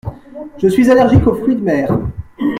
Je suis allergique aux fruits de mer.